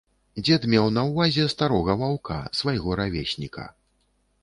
Дзед меў на ўвазе старога ваўка, свайго равесніка.